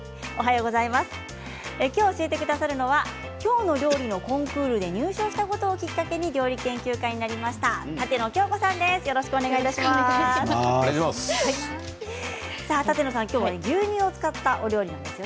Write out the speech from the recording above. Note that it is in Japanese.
きょう教えてくださるのは「きょうの料理」のコンクールに入賞したことをきっかけに料理研究家になりました舘野鏡子さんです。